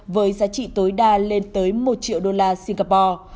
với giá trị tối đa lên tới một triệu đô la singapore